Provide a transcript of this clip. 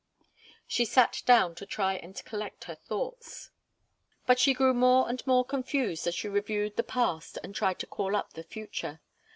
She sat down to try and collect her thoughts. But she grew more and more confused as she reviewed the past and tried to call up the future.